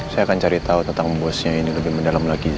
saya akan cari tahu tentang bosnya ini lebih mendalam lagi